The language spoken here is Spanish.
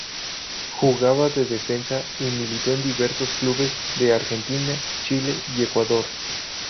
Jugaba de defensa y militó en diversos clubes de Argentina, Chile y Ecuador.